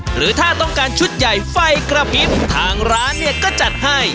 หรือถ้าต้องการชุดใหญ่ไฟกระพริบทางร้านเนี่ยก็จัดให้